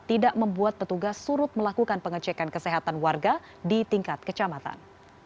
tidak membuat petugas surut melakukan pengecekan kesehatan warga di tingkat kecamatan